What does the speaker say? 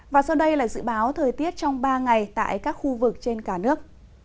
và sau đây là dự báo thời tiết trong ba ngày tại các khu vực trên cả nước